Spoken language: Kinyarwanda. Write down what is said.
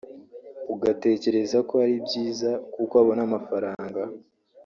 ugatekereza ko ari byiza kuko abona amafaranga